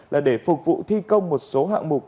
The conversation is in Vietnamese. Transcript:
là để phục vụ thi công một số hạng mục